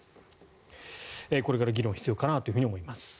これから議論が必要かなと思います。